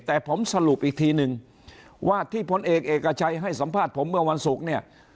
แต่ผมสรุปอีกทีนึงว่าที่พลเอกเอกชัยให้สัมภาษณ์ผมเมื่อวันศุกร์เนี่ย